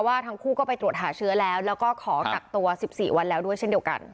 ว่าทั้งคู่ก็ไปตรวจหาเชื้อแล้วแล้วก็ขอกักตัว๑๔วันแล้วด้วยเช่นเดียวกัน